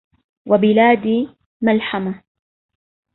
وبلادي ملحمهْ